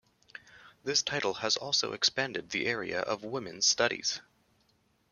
This title has also expanded the area of women's studies.